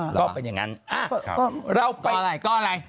ก็เป็นอย่างนั้นเราไปอะไรก็อะไร